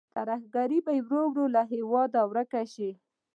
ترهګري به ورو ورو له هېواده ورکه شي.